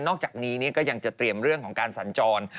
อกจากนี้ก็ยังจะเตรียมเรื่องของการสัญจร